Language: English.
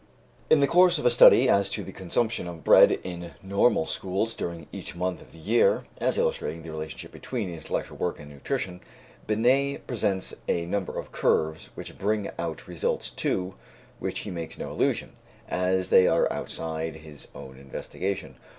In the course of a study as to the consumption of bread in Normal schools during each month of the year, as illustrating the relationship between intellectual work and nutrition, Binet presents a number of curves which bring out results to which he makes no allusion, as they are outside his own investigation.